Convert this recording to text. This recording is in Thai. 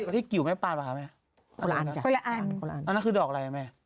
ตรงพญานสุโค้งตราดีกว่าที่เกียวแม่ปานปะครับแม่